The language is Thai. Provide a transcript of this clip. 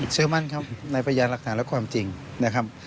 เชื่อมั่นครับในพยานหลักฐานและความจริงนะครับ